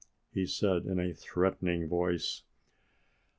he said in a threatening voice.